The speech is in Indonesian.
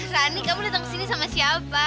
rani kamu datang kesini sama siapa